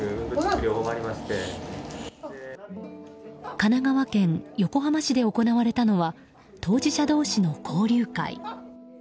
神奈川県横浜市で行われたのは当事者同士の交流会。